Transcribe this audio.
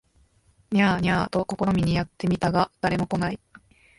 ニャー、ニャーと試みにやって見たが誰も来ない